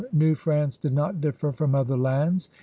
New Prance did not diflFer from other lands.